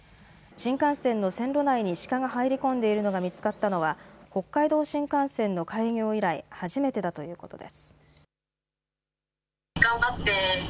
新幹線の線路内にシカが入り込んでいるのが見つかったのは、北海道新幹線の開業以来初めてだということです。